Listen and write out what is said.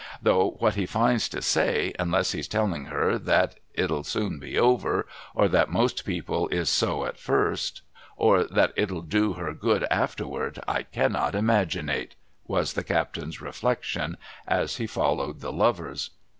' Though what he finds to say, unless he's telling her that 't'll soon be over, or that most people is so at first, or that it'll do her good afterward, I cannot imaginate !' was the captain's reflection as he followed the lovers.